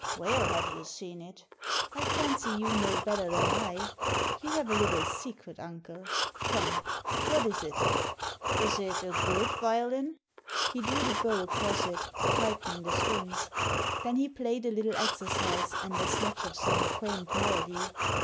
Where have you seen it ?" "I fancy you know better than I. You have a little secret, uncle ; come, what is it ?"* Is it a good violin ?" He drew the bow across it, tightening the strings. Then he played a little exercise and a snatch of some quaint melody.